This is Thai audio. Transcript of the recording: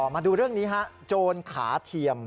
มาดูเรื่องนี้ฮะโจรขาเทียม